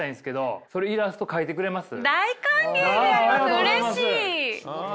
うれしい！